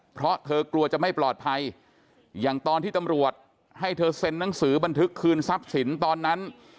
เพราะเธอกลัวจะไม่ปลอดภัยอย่างตอนที่ตำรวจให้เธอเซ็นหนังสือบันทึกคืนทรัพย์สินตอนนั้น